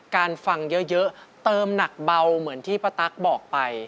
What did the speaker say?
ฟังเยอะเติมหนักเบาเหมือนที่ป้าตั๊กบอกไป